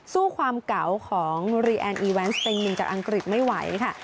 สู้ความเก่าของรีแอนอีแวนสเต็งหนึ่งจากอังกฤษไม่ไหวค่ะ